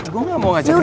gue gak mau ngajak ribut